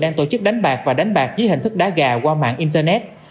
đang tổ chức đánh bạc và đánh bạc dưới hình thức đá gà qua mạng internet